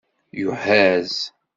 Yuhaz